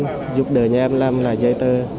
giúp đỡ nhà em làm lại giấy tờ